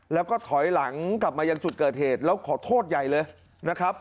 แล้วก็ถอยหลังกลับมายังจุดเกิดเหตุแล้วขอโทษใหญ่เลยนะครับ